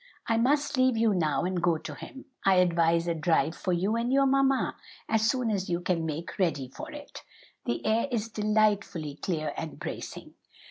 I must leave you now and go to him. I advise a drive for you and your mamma as soon as you can make ready for it; the air is delightfully clear and bracing."